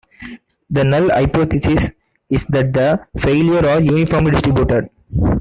The null hypothesis is that the failures are uniformly distributed.